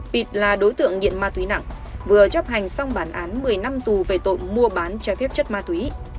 pịt là đối tượng nghiện ma túy nặng vừa chấp hành xong bản án một mươi năm tù về tội mua bán trái phép chất ma túy